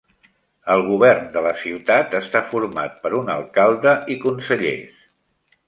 El govern de la ciutat està format per un alcalde i consellers.